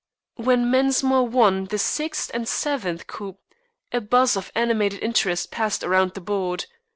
When Mensmore won the sixth and seventh coups a buzz of animated interest passed around the board.